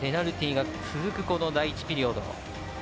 ペナルティーが続く第１ピリオド。